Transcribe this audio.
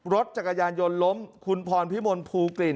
รถจักรยานยนต์ล้มคุณพรพิมลภูกลิ่น